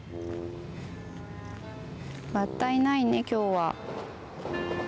バッタいないね今日は。